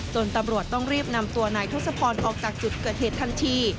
ตำรวจต้องรีบนำตัวนายทศพรออกจากจุดเกิดเหตุทันที